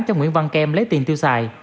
cho nguyễn văn kem lấy tiền tiêu xài